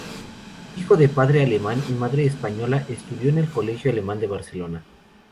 Hijo de padre alemán y madre española, estudió en el Colegio Alemán de Barcelona.